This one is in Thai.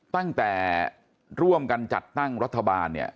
ตั้งแต่ร่วมกันจัดตั้งรัฐบาลเนี่ย